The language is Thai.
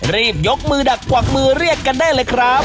รีบยกมือดักกวักมือเรียกกันได้เลยครับ